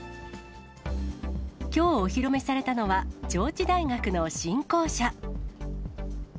きょうお披露目されたのは、上智大学の新校舎。